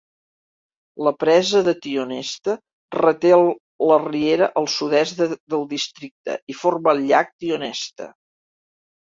La presa de Tionesta reté la riera al sud-est del districte i forma el llac Tionesta.